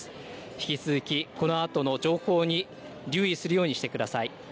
引き続きこのあとの情報に留意するようにしてください。